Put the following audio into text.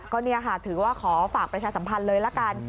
ก็นี่ค่ะถือว่าขอฝากประชาสัมพันธ์เลยละกัน